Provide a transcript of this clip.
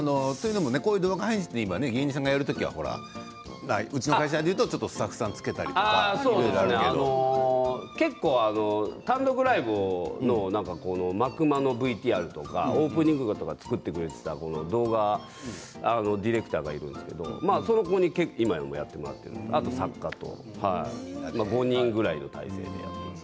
動画配信、芸人さんがやる時はうちの会社でいうとちょっとスタッフさんを結構、単独ライブの幕間のＶＴＲとかオープニングとか作ってくれていた動画ディレクターがいるんですけどその子に今もやってもらっていてあとは作家と５人ぐらいの体制で。